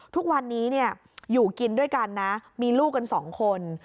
ทุกวันนี้อยู่กินด้วยกันนะมีลูกกันสองคน